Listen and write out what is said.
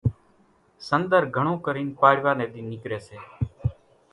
سنۮر گھڻون ڪرين پاڙِويا ني ۮي نيڪري سي